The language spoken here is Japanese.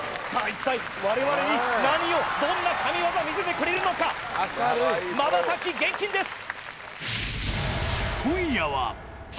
一体我々に何をどんな神業をみせてくれるのかまばたき厳禁です